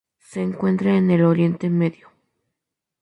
Se encuentra en el Oriente Medio.